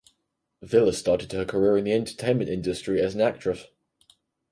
Villa started her career in the entertainment industry as an actress.